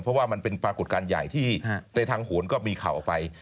เพราะว่ามันเป็นปรากฏการณ์ใหญ่ที่ในทางโหนก็มีข่าวออกไป